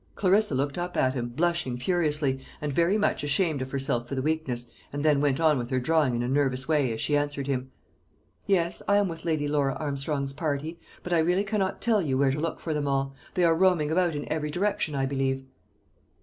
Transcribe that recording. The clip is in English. Clarissa looked up at him, blushing furiously, and very much ashamed of herself for the weakness, and then went on with her drawing in a nervous way, as she answered him, "Yes, I am with Lady Laura Armstrong's party; but I really cannot tell you where to look for them all. They are roaming about in every direction, I believe."